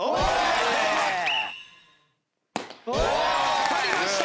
当たりました！